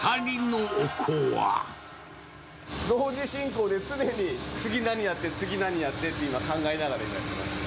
同時進行で、常に次、何やって、次、何やってって考えながらやってますね。